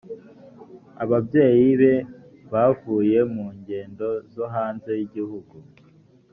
ababyeyi be bavuye mu ngendo zo hanze y’ igihugu